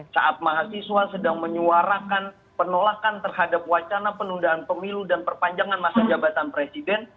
saat mahasiswa sedang menyuarakan penolakan terhadap wacana penundaan pemilu dan perpanjangan masa jabatan presiden